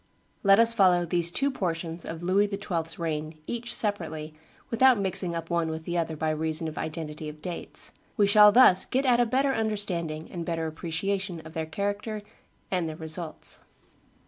Let us follow these two portions of Louis XII.'s reign, each separately, without mixing up one with the other by reason of identity of dates. We shall thus get at a better understanding and better appreciation of their character and their results.